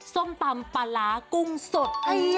ซ่อมปั๊มปลาร้ากุ้งสด